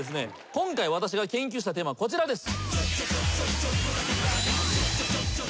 今回私が研究したテーマはこちらです。